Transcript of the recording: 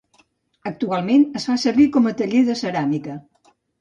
Actualment es fa servir com a taller de ceràmica.